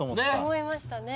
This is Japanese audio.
思いましたね。